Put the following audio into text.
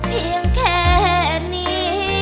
เพียงแค่นี้